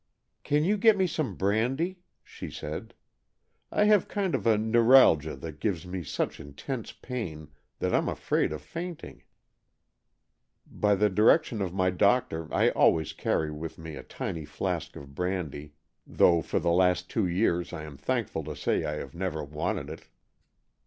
" Can you get me some brandy? " she said. " I have a kind of neuralgia that gives me such intense pain, that Fm afraid of fainting." By the direction of my doctor I always carry with me a tiny flask of brandy, though 134 AN EXCHANGE OF SOULS for the last two years I am thankful to say I have never wanted it.